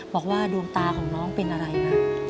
บอกว่าดวงตาของน้องเป็นอะไรนะ